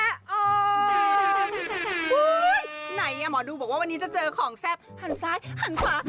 ไหนหมอดูบอกว่าวันนี้จะเจอของแซ่บหันซ้ายหันขวา